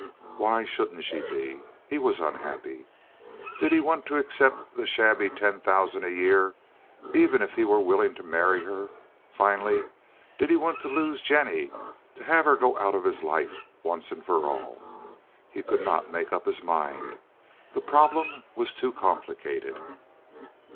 Why shouldn't she be? He was unhappy. Did he want to accept the shabby ten thousand a year, even if he were willing to marry her? Finally, did he want to lose Jennie, to have her go out of his life once and for all? He could not make up his mind; the problem was too complicated.